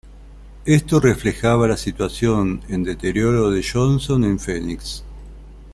Esto reflejaba la situación en deterioro de Johnson en Phoenix.